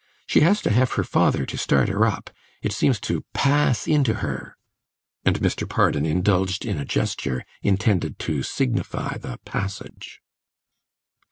She has to have her father to start her up. It seems to pass into her." And Mr. Pardon indulged in a gesture intended to signify the passage.